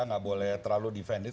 tidak boleh terlalu berpikir